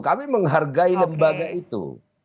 kami menghargai lembaga itu